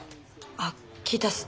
あっ聞いたっす